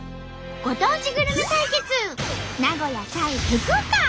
ご当地グルメ対決名古屋対福岡！